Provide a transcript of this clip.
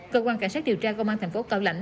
cơ quan cảnh sát điều tra công an thành phố cao lãnh